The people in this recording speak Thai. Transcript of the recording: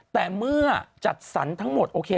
แต่เมื่อจัดสรรทั้งหมดโอเค